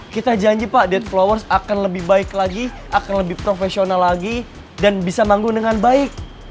kita janji pak death flowers akan lebih baik lagi akan lebih profesional lagi dan bisa manggung dengan baik